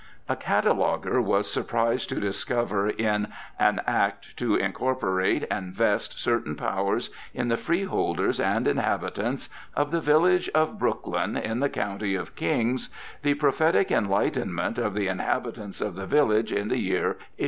A cataloguer was surprised to discover, in "An Act to Incorporate and Vest Certain Powers in the Freeholders and Inhabitants of the village of Brooklyn, in the County of Kings," the prophetic enlightenment of the Inhabitants of that village in the year 1816.